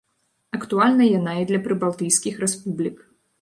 Актуальна яна і для прыбалтыйскіх рэспублік.